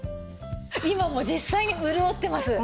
今もう実際に潤ってます。